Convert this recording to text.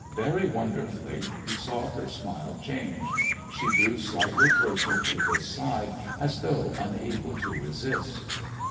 Very wonderfully he saw her smile change; she drew slightly closer to his side, as though unable to resist.